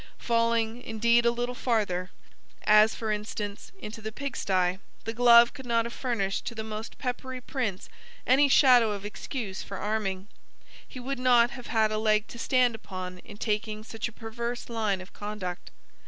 Falling indeed a little farther, as, for instance, into the pigstye, the glove could not have furnished to the most peppery prince any shadow of excuse for arming: he would not have had a leg to stand upon in taking such a perverse line of conduct.